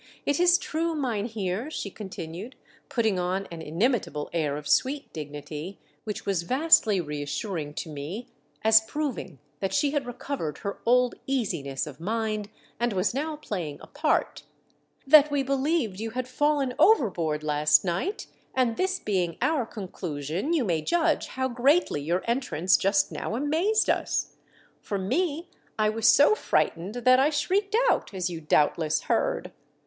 "It is true, mynheer," she continued, putting on an inimitable air of sweet dignity, which was vastly reassuring to me as proving that she had recovered her old easiness of mind and was now playing a part, " that we believed you had fallen overboard last night, and this being our conclusion you may judge how greatly your entrance just now amazed us. For me, I was so frightened that I shrieked out, as you doubtless heard.